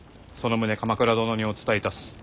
その旨鎌倉殿にお伝えいたす。